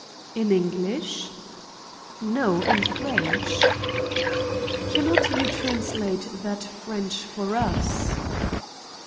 "In English?" "No, in French." "Can not you translate that French for us?"